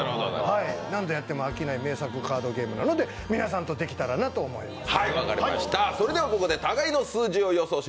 何度やっても名作カードゲームなので皆さんとできたらと思います。